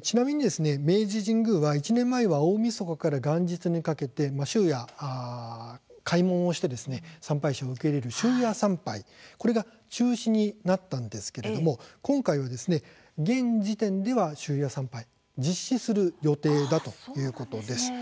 ちなみに明治神宮は１年前は大みそかから元日にかけて、終夜開門をして参拝者を受け入れる終夜参拝これが中止になったんですけれども、今回は現時点では終夜参拝実施する予定だということです。